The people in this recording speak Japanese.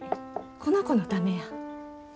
この子のためや。